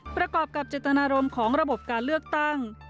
ประกอบกับเจตนารมณ์ของระบบการเลือกตั้ง